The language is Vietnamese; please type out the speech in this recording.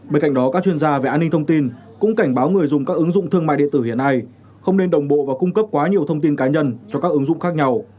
bên cạnh đó các chuyên gia về an ninh thông tin cũng cảnh báo người dùng các ứng dụng thương mại điện tử hiện nay không nên đồng bộ và cung cấp quá nhiều thông tin cá nhân cho các ứng dụng khác nhau